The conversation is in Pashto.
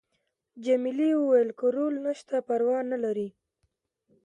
جميلې وويل:: که رول نشته پروا نه لري.